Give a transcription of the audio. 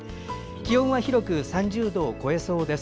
気温は広く３０度を超えそうです。